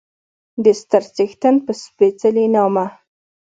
د ستر څښتن په سپېڅلي نامه